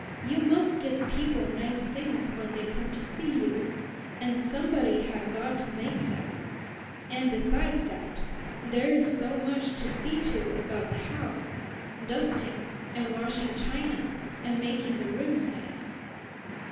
"You must give people nice things when they come to see you, and somebody has got to make them. And besides that, there is so much to see to about the house, dusting, and washing china, and making the rooms nice."